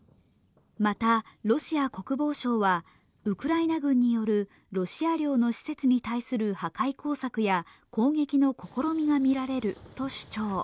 また、ロシア国防省はウクライナ軍によるロシア領の施設に対する破壊工作や攻撃の試みがみられると主張。